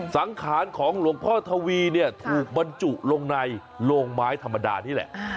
สังขารของหลวงพ่อทวีเนี่ยถูกบรรจุลงในโรงไม้ธรรมดานี่แหละ